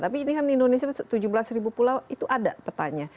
tapi ini kan indonesia tujuh belas ribu pulau itu ada petanya